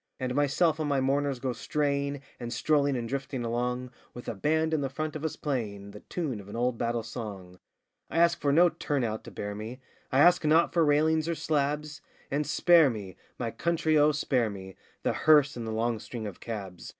And myself and my mourners go straying, And strolling and drifting along With a band in the front of us playing The tune of an old battle song! I ask for no 'turn out' to bear me; I ask not for railings or slabs, And spare me! my country oh, spare me! The hearse and the long string of cabs!